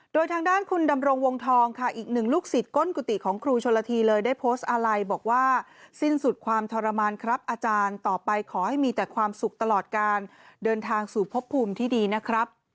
เดินทางสู่พบภูมิที่ดีนะครับ